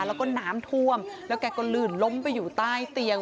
แล้วก็น้ำท่วมแล้วแกก็ลื่นล้มไปอยู่ใต้เตียง